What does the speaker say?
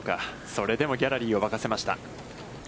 それでもギャラリーを沸かせました。